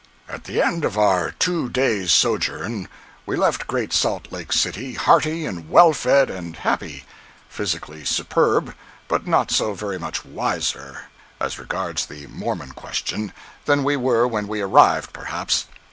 At the end of our two days' sojourn, we left Great Salt Lake City hearty and well fed and happy—physically superb but not so very much wiser, as regards the "Mormon question," than we were when we arrived, perhaps.